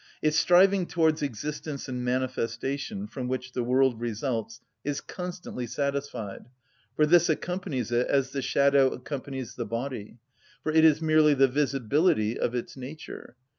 Its striving towards existence and manifestation, from which the world results, is constantly satisfied, for this accompanies it as the shadow accompanies the body, for it is merely the visibility of its nature.